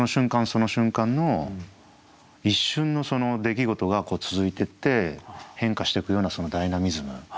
その瞬間の一瞬の出来事が続いてって変化してくようなそのダイナミズム。